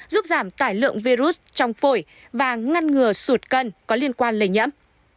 giúp giảm tải lượng virus trong phổi và ngăn ngừa sụt cân có liên quan lây nhiễm